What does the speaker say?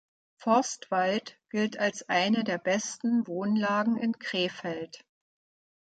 Forstwald gilt als eine der besten Wohnlagen in Krefeld.